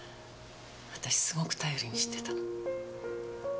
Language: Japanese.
あたしすごく頼りにしてたの。